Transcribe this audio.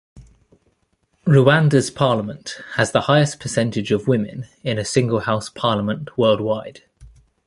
Rwanda's parliament has the highest percentage of women in a single house parliament worldwide.